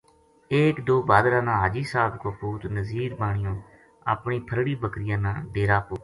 ایک دو بھادرا نا حاجی صاحب کو پُوت نزیر نانیو اپنی پھرڑی بکریاں نا ڈیرا